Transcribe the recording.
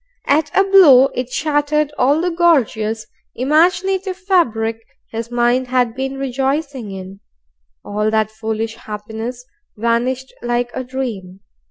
At a blow, it shattered all the gorgeous imaginative fabric his mind had been rejoicing in. All that foolish happiness vanished like a dream.